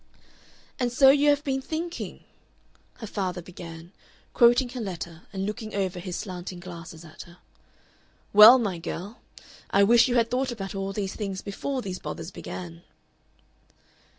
"And so you have been thinking?" her father began, quoting her letter and looking over his slanting glasses at her. "Well, my girl, I wish you had thought about all these things before these bothers began."